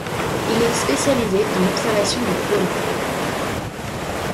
Il est spécialisé dans l'observation des pôles.